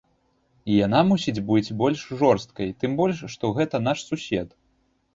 Яна мусіць быць больш жорсткай, тым больш што гэта наш сусед.